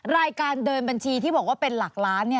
รายการเดินบัญชีที่บอกว่าเป็นหลักล้าน